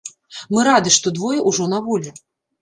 Мы рады, што двое ўжо на волі.